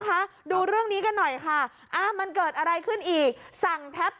คะดูเรื่องนี้กันหน่อยค่ะอ่ามันเกิดอะไรขึ้นอีกสั่งแทบ